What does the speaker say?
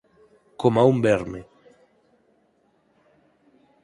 coma a un verme.